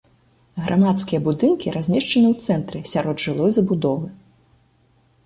Грамадскія будынкі размешчаны ў цэнтры сярод жылой забудовы.